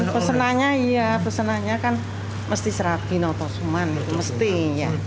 pesenanya iya pesenanya kan mesti serabi noto suman mesti ya